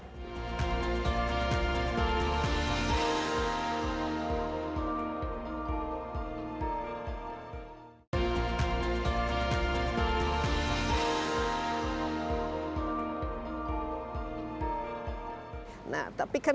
listrik ini saudara saudara di uprakan silesai